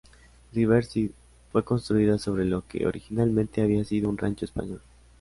Riverside fue construida sobre lo que, originalmente, había sido un rancho español.